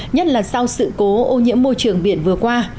nhất là sau sự cố ô nhiễm môi trường biển vừa qua